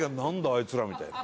あいつら」みたいな。